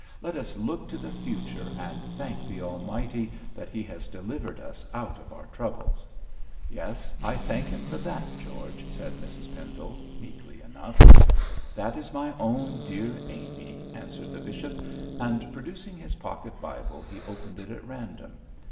Let us look to the future, and thank the Almighty that He has delivered us out of our troubles.' 'Yes, I thank Him for that, George,' said Mrs Pendle, meekly enough. 'That is my own dear Amy,' answered the bishop; and producing his pocket Bible, he opened it at random.